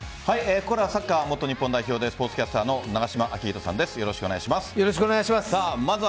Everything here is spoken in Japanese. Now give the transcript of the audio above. ここからはサッカー元日本代表でスポーツキャスターの永島昭浩さんです。